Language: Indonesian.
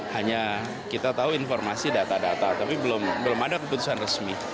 hanya kita tahu informasi data data tapi belum ada keputusan resmi